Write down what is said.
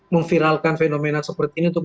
memviralkan fenomena seperti ini untuk